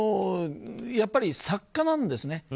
やっぱり作家なんですね。